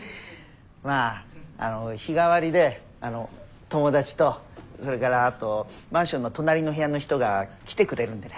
まあ日替わりで友達とそれからあとマンションの隣の部屋の人が来てくれるんでね。